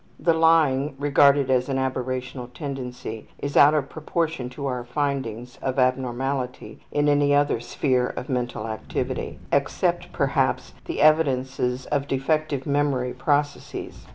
The lying, regarded as an aberrational tendency, is out of proportion to our findings of abnormality in any other sphere of mental activity, except perhaps the evidences of defective memory processes.